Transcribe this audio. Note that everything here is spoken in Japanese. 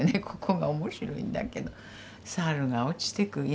ここが面白いんだけど猿が落ちてく。